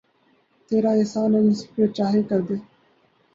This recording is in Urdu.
تیرا احسان ہے جس پر چاہے کردے